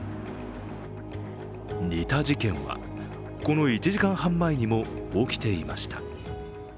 似た事件は、この１時間半前にも起きていました。